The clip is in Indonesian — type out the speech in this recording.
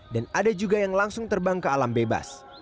dan ada juga yang langsung terbang ke alam bebas